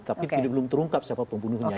tapi belum terungkap siapa pembunuhnya